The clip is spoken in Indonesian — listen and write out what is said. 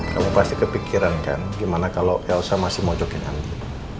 kamu pasti kepikiran kan gimana kalau elsa masih mojokin nanti